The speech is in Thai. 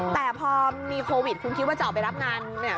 แต่พอมีโควิดคุณคิดว่าจะออกไปรับงานเนี่ย